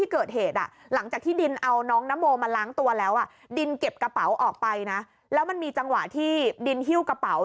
กระเป๋าออกไปนะแล้วมันมีจังหวะที่ดินฮิ้วกระเป๋า